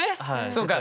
そうか。